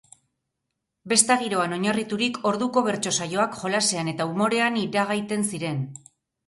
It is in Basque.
Besta giroan oinarriturik, orduko bertso saioak jolasean eta umorean iragaiten ziren.